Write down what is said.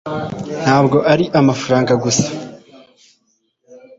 ntabwo ari amafaranga gusa